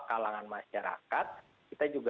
kalangan masyarakat kita juga